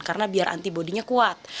karena biar antibody nya kuat